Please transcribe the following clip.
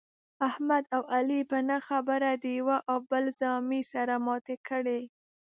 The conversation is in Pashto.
احمد او علي په نه خبره د یوه او بل زامې سره ماتې کړلې.